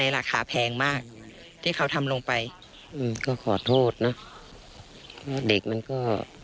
ราคาแพงมากที่เขาทำลงไปอืมก็ขอโทษเนอะเด็กมันก็